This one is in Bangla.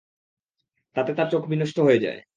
তাতে তাঁর চোখ বিনষ্ট হয়ে যায়।